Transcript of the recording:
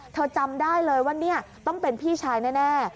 เธอจำได้เลยว่าต้องเป็นพี่ชายแน่